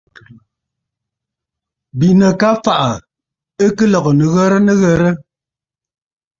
Bìʼinə̀ ka fàʼà, ɨ kɨ lɔ̀gə̀ nɨghərə nɨghərə.